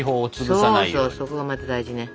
そうそうそこがまず大事ね。